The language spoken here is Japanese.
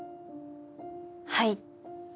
はい。